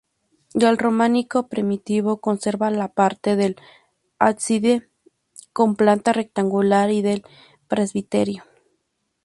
Del románico primitivo conserva la parte del ábside con planta rectangular y del presbiterio.